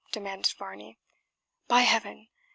demanded Varney. "By Heaven!